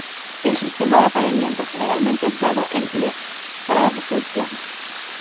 El sistema de apareamiento generalmente es dado en leks para la reproducción.